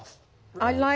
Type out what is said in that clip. はい。